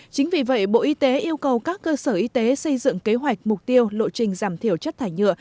chính vì vậy bộ y tế yêu cầu các cơ sở y tế xây dựng kế hoạch mục tiêu lộ trình giảm thiểu chất thải nhựa